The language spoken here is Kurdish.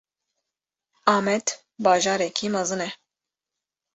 Amed bajarekî mezin e.